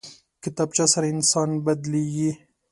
کتابچه سره انسان بدلېږي